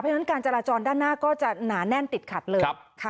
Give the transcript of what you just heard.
เพราะฉะนั้นการจราจรด้านหน้าก็จะหนาแน่นติดขัดเลย